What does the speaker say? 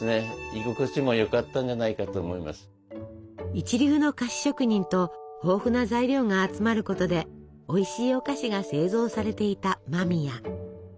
一流の菓子職人と豊富な材料が集まることでおいしいお菓子が製造されていた間宮。